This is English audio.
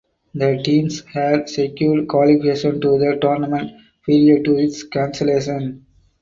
The teams had secured qualification to the tournament prior to its cancellation.